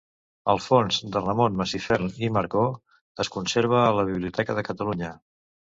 El fons de Ramon Masifern i Marcó es conserva a la Biblioteca de Catalunya.